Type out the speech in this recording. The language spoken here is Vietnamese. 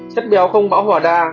chất béo không bão hòa đa